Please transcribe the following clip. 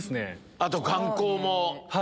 あと眼光も。